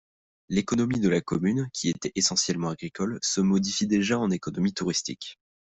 L'économie de la commune, qui était essentiellement agricole, se modifie déjà en économie touristique.